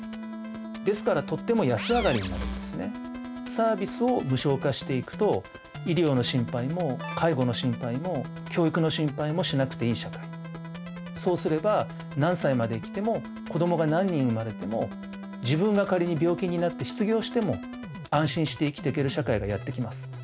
サービスを無償化していくと医療の心配も介護の心配も教育の心配もしなくていい社会そうすれば何歳まで生きても子どもが何人生まれても自分が仮に病気になって失業しても安心して生きていける社会がやって来ます。